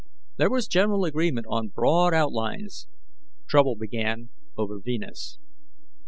There was general agreement on broad outlines. Trouble began over Venus.